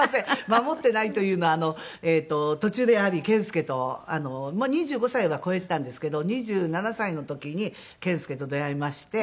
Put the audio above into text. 守ってないというのは途中でやはり健介とまあ２５歳は超えてたんですけど２７歳の時に健介と出会いまして。